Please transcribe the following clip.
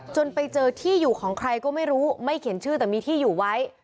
ไปเจอที่อยู่ของใครก็ไม่รู้ไม่เขียนชื่อแต่มีที่อยู่ไว้